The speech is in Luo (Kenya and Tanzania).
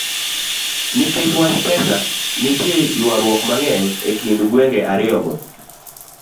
Nikech wach pesa, nitie ywaruok mang'eny e kind gwenge ariyogo